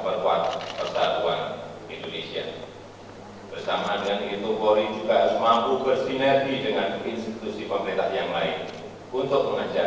berantas punya tegas rakyat mafian hukum